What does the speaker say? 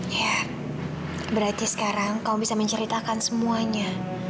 iya berarti sekarang kamu bisa menceritakan semuanya